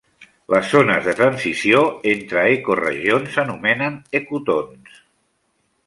Les zones de transició entre ecoregions s'anomenen ecotons.